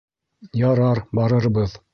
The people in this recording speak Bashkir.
— Ярар, барырбыҙ.